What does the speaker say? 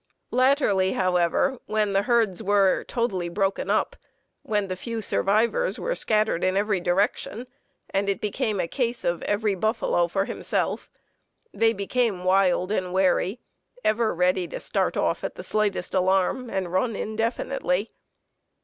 Latterly, however, when the herds were totally broken up, when the few survivors were scattered in every direction, and it became a case of every buffalo for himself, they became wild and wary, ever ready to start off at the slightest alarm, and run indefinitely.